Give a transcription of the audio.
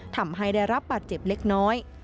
ทำให้ได้รับบาดเจ็บเล็กน้อย